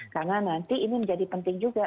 karena nanti ini menjadi penting juga